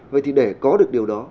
vậy thì để có được điều đó